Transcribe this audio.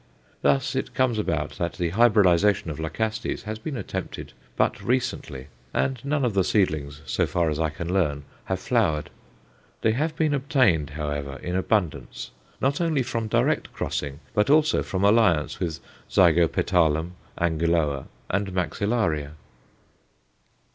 Thus it comes about that the hybridization of Lycastes has been attempted but recently, and none of the seedlings, so far as I can learn, have flowered. They have been obtained, however, in abundance, not only from direct crossing, but also from alliance with Zygopetalum, Anguloa, and Maxillaria.